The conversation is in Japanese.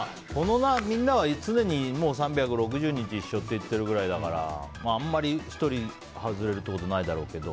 みんなは常に３６０日一緒って言ってるくらいだからあまり、１人外れるってことはないだろうけど。